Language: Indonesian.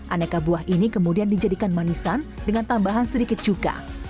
aneka buah ini kemudian dijadikan manisan dengan tambahan sedikit cuka